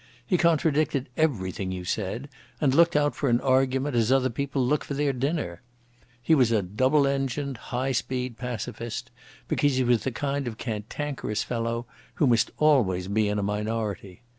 He contradicted everything you said, and looked out for an argument as other people look for their dinner. He was a double engined, high speed pacificist, because he was the kind of cantankerous fellow who must always be in a minority.